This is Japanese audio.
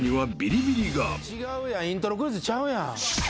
違うやんイントロクイズちゃうやん。